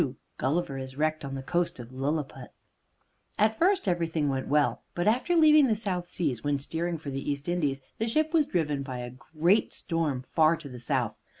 II GULLIVER IS WRECKED ON THE COAST OF LILLIPUT At first, everything went well, but after leaving the South Seas, when steering for the East Indies, the ship was driven by a great storm far to the south.